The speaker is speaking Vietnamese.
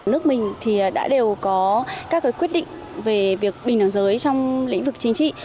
nước mình thì đã đều có các quyết định về việc bình đẳng giới trong lĩnh vực chính trị